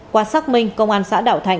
qua xác minh công an xã đạo thạnh